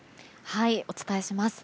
お伝えします。